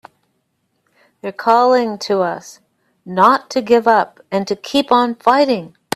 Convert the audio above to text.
They're calling to us not to give up and to keep on fighting!